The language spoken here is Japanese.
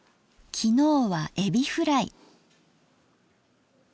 昨日はえびフライ。